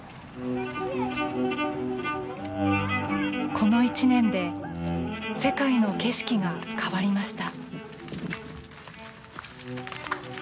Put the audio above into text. この１年で世界の景色が変わりました。